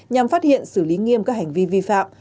nhằm phát hiện xử lý nghiêm các hành vi vi phạm